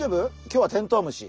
今日はテントウムシ。